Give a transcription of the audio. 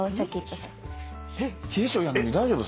冷え性やのに大丈夫？